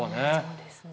そうですね。